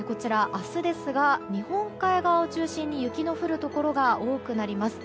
明日ですが日本海側を中心に雪の降るところが多くなります。